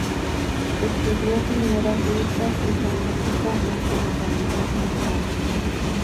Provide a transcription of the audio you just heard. Estudió primeras letras y gramática en su localidad natal.